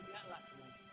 jangan ingatlah sekali